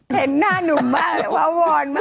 เห็นหน้านุ่มมากวะวอนมาก